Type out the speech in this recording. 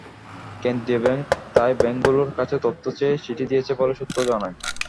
কেন্দ্রীয় ব্যাংক তাই ব্যাংকগুলোর কাছে তথ্য চেয়ে চিঠি দিয়েছে বলে সূত্র জানায়।